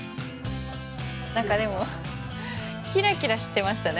何かでもキラキラしてましたね